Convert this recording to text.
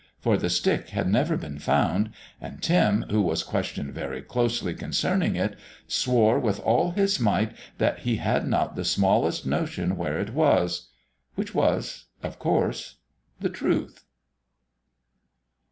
For the stick had never been found, and Tim, who was questioned very closely concerning it, swore with all his might that he had not the smallest notion where it was. Which was, of course, the truth.